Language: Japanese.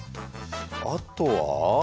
あとは。